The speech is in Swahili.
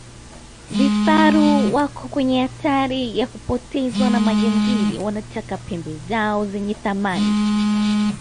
vifaru wako kwenye hatari ya kupotezwa na majangili wanataka pembe zao zenye thamani